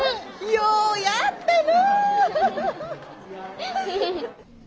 ようやったな！